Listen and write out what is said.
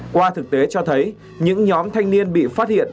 qua thực tế cho thấy những nhóm thanh niên bị phát hiện